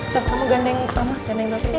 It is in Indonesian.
ya kamu gandeng itu sama gandeng bapaknya